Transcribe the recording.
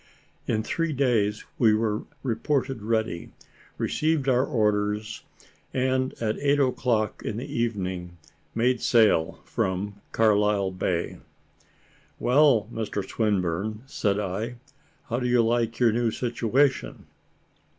In three days we were reported ready, received our orders, and at eight o'clock in the evening made sail from Carlisle Bay. "Well, Mr Swinburne," said I, "how do you like your new situation?"